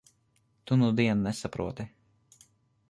Tu nudien nesaproti.